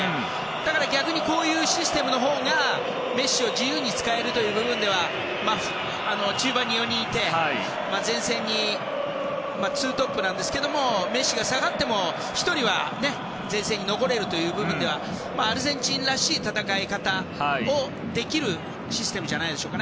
だから逆にこういうシステムのほうがメッシを自由に使えるという部分では中盤に４人いて前線に２トップなんですけどもメッシが下がっても、１人は前線に残れるという部分ではアルゼンチンらしい戦い方をできるシステムじゃないでしょうか。